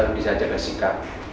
ibu nisa jaga sikap